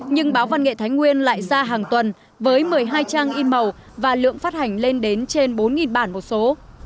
nhưng báo văn nghệ thái nguyên lại ra hàng tuần với một mươi hai trang in màu và lượng phát hành lên đến trên bốn bản một số